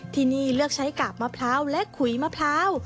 ที่นี่เลือกใช้กาบมะพร้าวและขุยมะพร้าว